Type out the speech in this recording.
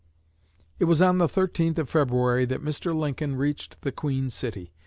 "It was on the 13th of February that Mr. Lincoln reached the Queen City.